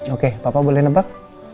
oke papa boleh nebak